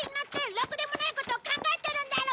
ろくでもないこと考えてるんだろ！